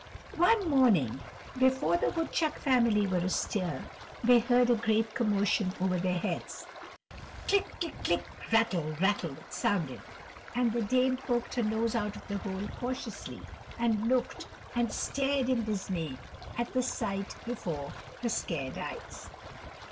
One morning, before the woodchuck family were astir, they heard a great commotion over their heads. "Click, click, click, rattle, rattle," it sounded. And the Dame poked her nose out of the hole cautiously, and looked and stared in dismay at the sight before her scared eyes.